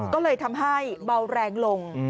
ก็เลยทำให้เบาแรงลง